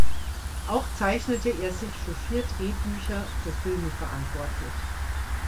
Auch zeichnete er sich für vier Drehbücher für Filme verantwortlich.